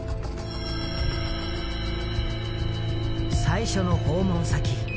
最初の訪問先